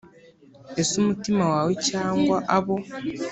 ese umutima wawe cyangwa abo